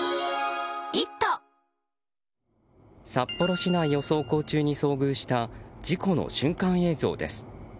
札幌市内を走行中に遭遇した事故の瞬間映像です。